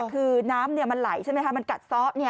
คือน้ำมันไหลใช่ไหมคะมันกัดซ้อ